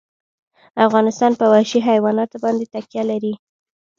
افغانستان په وحشي حیوانات باندې تکیه لري.